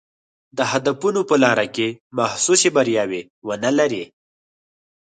د هدفونو په لاره کې محسوسې بریاوې ونه لري.